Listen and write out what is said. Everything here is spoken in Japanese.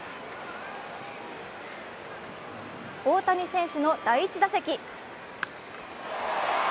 大谷選手の第１打席。